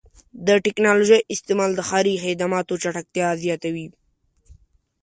د ټکنالوژۍ استعمال د ښاري خدماتو چټکتیا زیاتوي.